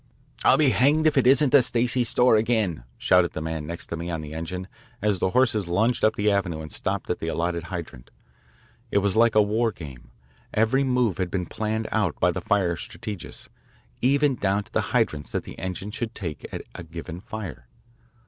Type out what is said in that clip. "I'll be hanged if it isn't the Stacey store again, shouted the man next me on the engine as the horses lunged up the avenue and stopped at the allotted hydrant. It was like a war game. Every move had been planned out by the fire strategists, even down to the hydrants that the engines should take at a given fire.